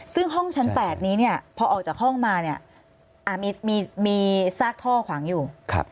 ซึ่งห้องชั้น๘นี้เนี่ยพอออกจากห้องมาเนี่ยมีซากท่อขวางอยู่